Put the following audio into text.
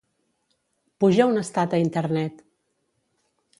Puja un estat a Internet.